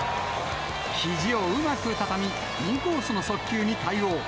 ひじをうまく畳み、インコースの速球に対応。